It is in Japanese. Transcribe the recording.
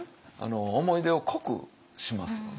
思い出を濃くしますよね。